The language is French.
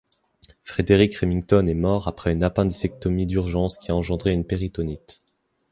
Frederic Remington est mort après une appendicectomie d'urgence qui a engendré une péritonite.